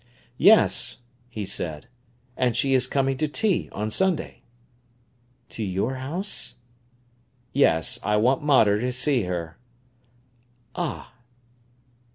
"Yes," he said, "and she is coming to tea on Sunday." "To your house?" "Yes; I want mater to see her." "Ah!"